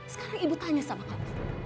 sekarang ibu tanya sama kamu